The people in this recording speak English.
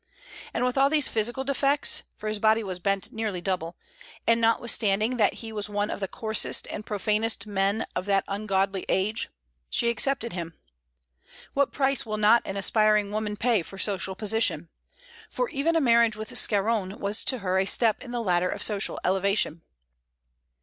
And with all these physical defects (for his body was bent nearly double), and notwithstanding that he was one of the coarsest and profanest men of that ungodly age, she accepted him. What price will not an aspiring woman pay for social position! for even a marriage with Scarron was to her a step in the ladder of social elevation.